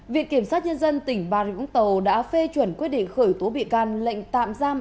viện kiểm sát nhân dân tỉnh bà rịa vũng tàu đã phê chuẩn quyết định khởi tố bị can lệnh tạm giam